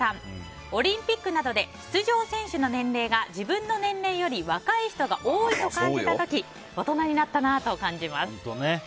オリンピックなどで出場選手の年齢が自分の年齢より若い人が多いと感じた時大人になったなと感じます。